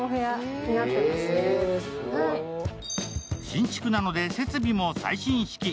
新築なので設備も最新式。